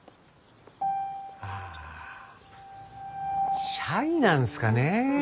あシャイなんすかね。